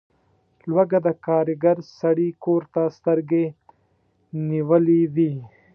لوږه د کارګر سړي کور ته سترګې نیولي وي.